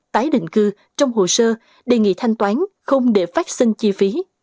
tái định cư trong hồ sơ đề nghị thanh toán không để phát sinh chi phí